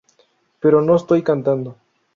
Pero no estoy cantando.